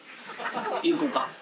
行こうか。